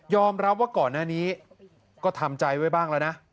รับว่าก่อนหน้านี้ก็ทำใจไว้บ้างแล้วนะ